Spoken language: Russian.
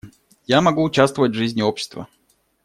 Я могу участвовать в жизни общества.